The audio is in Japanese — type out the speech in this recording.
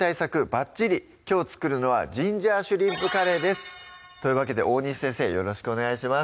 ばっちりきょう作るのは「ジンジャーシュリンプカレー」ですというわけで大西先生よろしくお願いします